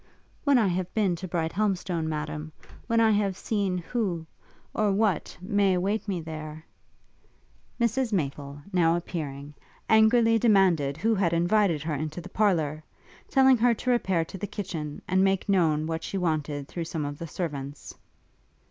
'When I have been to Brighthelmstone, Madame, when I have seen who or what may await me there ' Mrs. Maple, now appearing, angrily demanded who had invited her into the parlour? telling her to repair to the kitchen, and make known what she wanted through some of the servants.